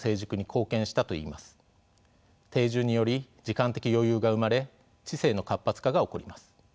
定住により時間的余裕が生まれ知性の活発化が起こります。